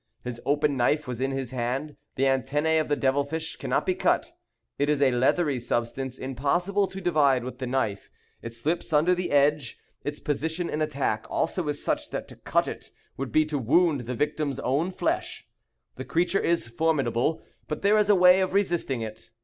His open knife was in his hand. The antennæ of the devil fish cannot be cut; it is a leathery substance impossible to divide with the knife, it slips under the edge; its position in attack also is such that to cut it would be to wound the victim's own flesh. The creature is formidable, but there is a way of resisting it.